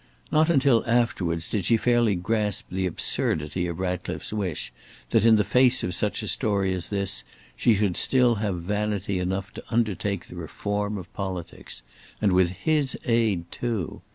Not until afterwards did she fairly grasp the absurdity of Ratcliffe's wish that in the face of such a story as this, she should still have vanity enough to undertake the reform of politics. And with his aid too!